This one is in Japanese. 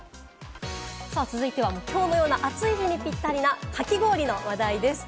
続いては、きょうのような暑い日にぴったりな、かき氷の話題です。